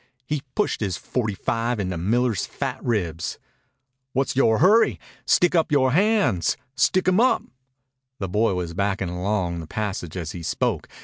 He pushed his forty five into Miller's fat ribs. "What's yore hurry? Stick up yore hands stick 'em up!" The boy was backing along the passage as he spoke.